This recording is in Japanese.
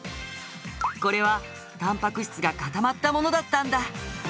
これはたんぱく質が固まったものだったんだ。